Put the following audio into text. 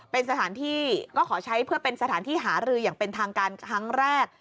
เป็นสถานที่ก็ขอใช้เพื่อเป็นสถานที่หารืออย่างเป็นทางการครั้งแรก